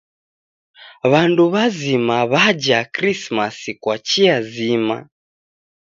W'andu w'azima w'aja Krismasi kwa chia zima.